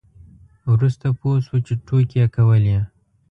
وروسته پوه شو چې ټوکې یې کولې.